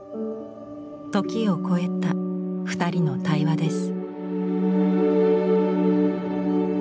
時を超えた二人の対話です。